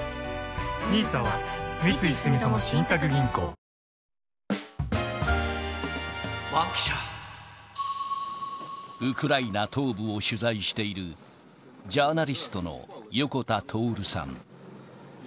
すこやかさつづけ薬用養命酒ウクライナ東部を取材しているジャーナリストの横田徹さん。